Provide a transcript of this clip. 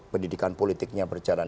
pendidikan politiknya berjalan